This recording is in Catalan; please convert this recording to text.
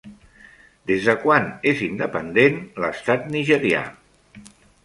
Des de quan és independent l'estat nigerià?